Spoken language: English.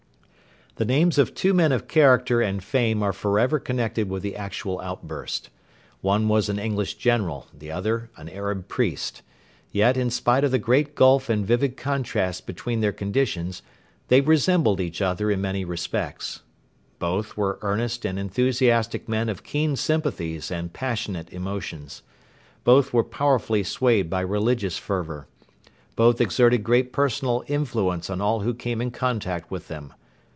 The names of two men of character and fame are forever connected with the actual outburst. One was an English general, the other an Arab priest; yet, in spite of the great gulf and vivid contrast between their conditions, they resembled each other in many respects. Both were earnest and enthusiastic men of keen sympathies and passionate emotions. Both were powerfully swayed by religious fervour. Both exerted great personal influence on all who came in contact with them.